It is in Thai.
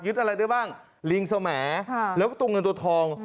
ยึดอะไรด้วยบ้างลิงเสมอแล้วก็ตัวเงินตัวทอง